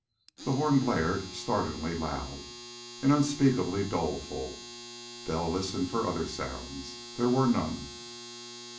The horn blared, startlingly loud and unspeakably doleful. Bell listened for other sounds. There were none.